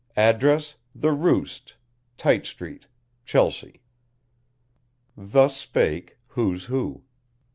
Address The Roost, Tite Street, Chelsea. Thus spake, "Who's Who."